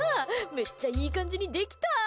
めっちゃいい感じにできた！